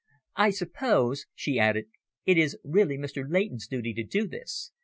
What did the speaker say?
I suppose," she added, "it is really Mr. Leighton's duty to do this.